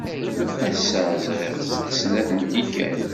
Ass-a, ẓriɣ-tt snat n tikkal.